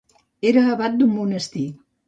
Era abat d'un monestir.